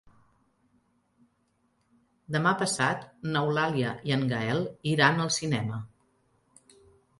Demà passat n'Eulàlia i en Gaël iran al cinema.